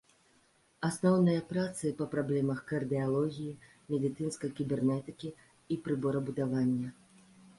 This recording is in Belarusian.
Асноўныя працы па праблемах кардыялогіі, медыцынскай кібернетыкі і прыборабудавання.